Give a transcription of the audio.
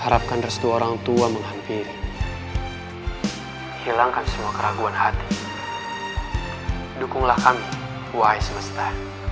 dukunglah kami wahai semesta